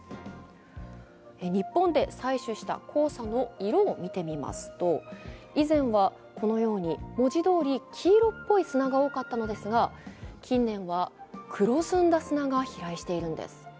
日本で採取した黄砂の色を見てみますと以前はこのように、文字どおり黄色っぽい砂が多かったのですが近年は黒ずんだ砂が飛来しているんです。